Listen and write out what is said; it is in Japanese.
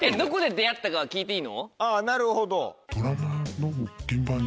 あぁなるほど。